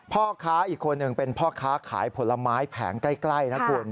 พ่อค้าอีกคนหนึ่งเป็นพ่อค้าขายผลไม้แผงใกล้นะคุณ